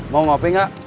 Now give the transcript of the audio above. mau kopi kak